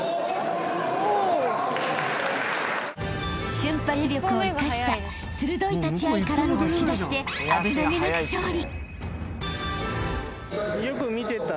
［瞬発力を生かした鋭い立ち合いからの押し出しで危なげなく勝利］